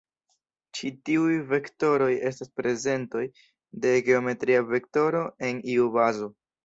Ĉi tiuj vektoroj estas prezentoj de geometria vektoro en iu bazo.